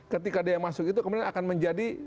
ketika dia masuk itu kemudian akan menjadi